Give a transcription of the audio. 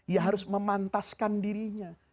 ya harus memantaskan dirinya